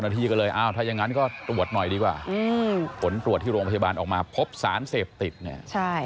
ถ้ายังงั้นก็ตรวจหน่อยดีกว่าผลตรวจที่โรงพยาบาลออกมาพบสารเสพติดเนี่ย